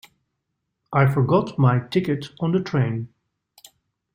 I forgot my ticket on the train.